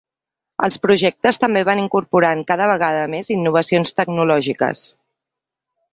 Els projectes també van incorporant cada vegada més innovacions tecnològiques.